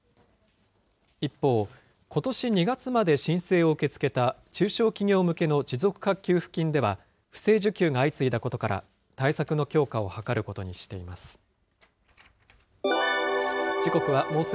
一方、ことし２月まで申請を受け付けた中小企業向けの持続化給付金では、不正受給が相次いだことから、対策の強化を図ることにしています。